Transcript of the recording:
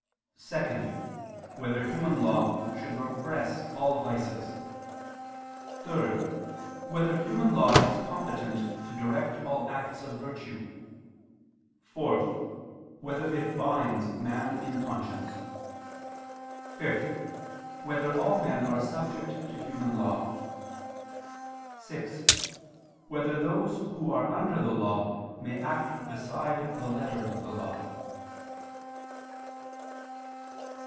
(2) Whether human law should repress all vices? (3) Whether human law is competent to direct all acts of virtue? (4) Whether it binds man in conscience? (5) Whether all men are subject to human law? (6) Whether those who are under the law may act beside the letter of the law?